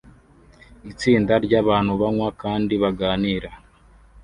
Itsinda ryabantu banywa kandi baganira